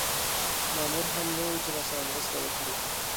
مامور هم نه و چې راسره مرسته وکړي.